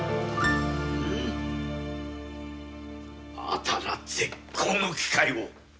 あたら絶好の機会を！